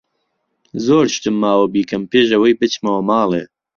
زۆر شتم ماوە بیکەم پێش ئەوەی بچمەوە ماڵێ.